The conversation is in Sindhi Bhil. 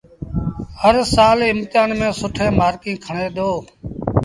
هرسآل امتهآݩ ميݩ سيٚٺين مآرڪيٚݩ کڻي دو